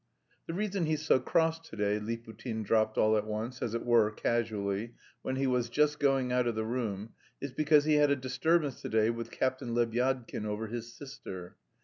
"The reason he's so cross to day," Liputin dropped all at once, as it were casually, when he was just going out of the room, "is because he had a disturbance to day with Captain Lebyadkin over his sister.